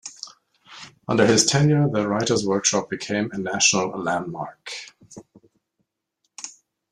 Under his tenure, the Writers' Workshop became a national landmark.